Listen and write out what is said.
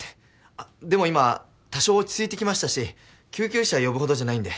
あっでも今多少落ち着いてきましたし救急車呼ぶほどじゃないんで。